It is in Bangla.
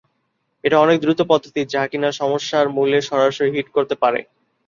এটা অনেক দ্রুত পদ্ধতি, যা কিনা সমস্যার মূলে সরাসরি হিট করতে পারে।